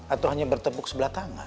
atau hanya bertepuk sebelah tangan